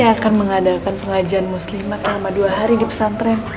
saya akan mengadakan pengajian muslimat selama dua hari di pesantren